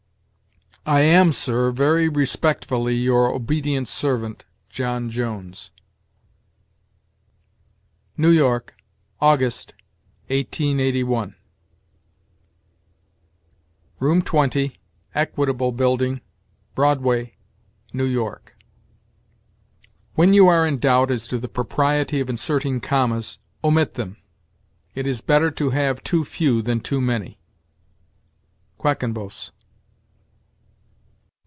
"I am, sir, very respectfully, your obedient servant, John Jones." "New York, August, 1881." "Room 20, Equitable Building, Broadway, New York." "When you are in doubt as to the propriety of inserting commas, omit them; IT IS BETTER TO HAVE TOO FEW THAN TOO MANY." Quackenbos.